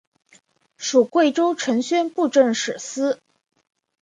属贵州承宣布政使司。